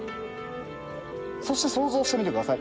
そして想像してみてください。